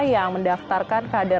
yang mendaftarkan calon legislatif dpr